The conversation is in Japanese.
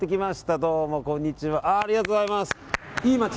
どうもこんにちは。